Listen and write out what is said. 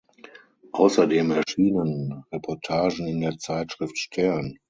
Außerdem erschienen Reportagen in der Zeitschrift "Stern".